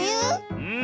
うん。